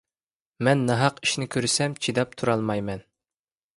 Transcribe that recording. مەن ناھەق ئىشنى كۆرسەم چىداپ تۇرالمايمەن.